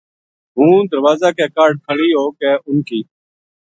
ہوں دروازہ کے کاہڈ کھلی ہو کے اُنھ کی